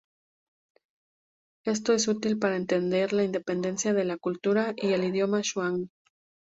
Esto es útil para entender la independencia de la cultura y el idioma zhuang.